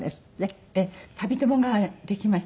旅友ができました。